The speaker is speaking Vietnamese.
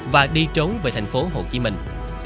và đi trốn về thành phố hồ chí minh